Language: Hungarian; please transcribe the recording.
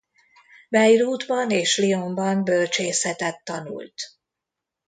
Bejrútban és Lyonban bölcsészetet tanult.